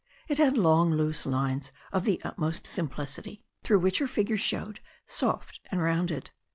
It had long loose lines of the utmost simplicity, through which her figure showed soft and rounded.